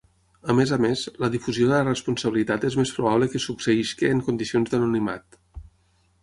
A més a més, la difusió de la responsabilitat és més probable que succeeixi en condicions d'anonimat.